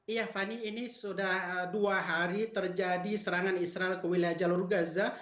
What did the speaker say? iya fani ini sudah dua hari terjadi serangan israel ke wilayah jalur gaza